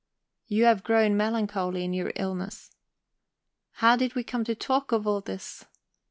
You have grown melancholy in your illness. How did we come to talk of all this?"